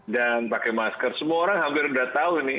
dan pakai masker semua orang hampir sudah tahu nih